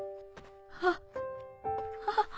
あっあっ。